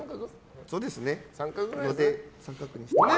そうですね。